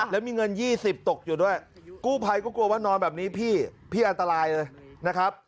แล้วมีเงิน๒๐ตกอยู่ด้วยกู้ภัยก็กลัวว่านอนแบบนี้พี่พี่อันตรายเลยนะครับ